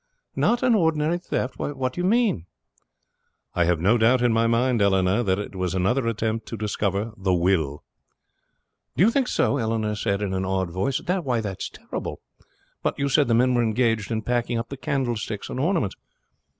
"Not an ordinary theft! What do you mean?" "I have no doubt in my mind, Eleanor, that it was another attempt to discover the will." "Do you think so?" Eleanor said in an awed voice. "That is terrible. But you said the men were engaged in packing up the candlesticks and ornaments."